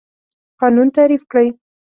قانون تعریف کړئ.